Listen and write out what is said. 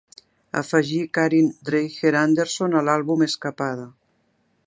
afegir Karin Dreijer Andersson a l"àlbum Escapada